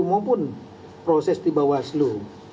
maupun proses di bawaslu